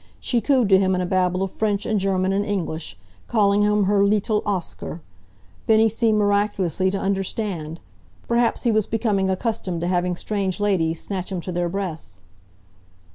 She cooed to him in a babble of French and German and English, calling him her lee tel Oscar. Bennie seemed miraculously to understand. Perhaps he was becoming accustomed to having strange ladies snatch him to their breasts.